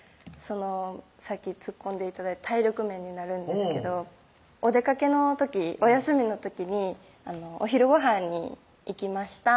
さっきつっこんで頂いた体力面になるんですけどお出かけの時お休みの時にお昼ごはんに行きました